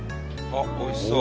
あっおいしそう。